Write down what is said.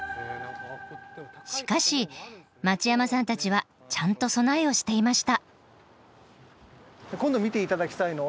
しかし町山さんたちはちゃんと備えをしていました。